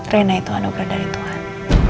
rena itu anugerah dari tuhan